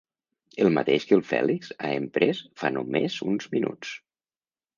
El mateix que el Fèlix ha emprès fa només uns minuts.